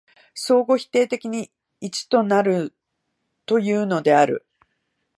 相互否定的に一となるというのである。